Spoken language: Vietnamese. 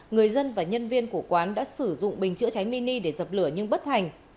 người dân và nhân viên của quán đã sử dụng bình chữa cháy mini để dập lửa nhưng bất thành